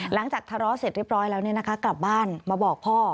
หลังจากทะเลาะเสร็จเรียบร้อยแล้วกลับบ้านมาบอกพ่อ